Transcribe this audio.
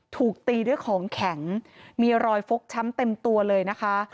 ถูกตีด้วยของแข็งมีรอยฟกช้ำเต็มตัวเลยนะคะ